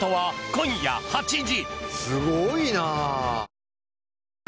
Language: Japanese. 今夜８時。